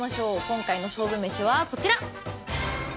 今回の勝負めしはこちら。